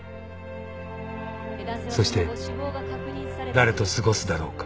［そして誰と過ごすだろうか］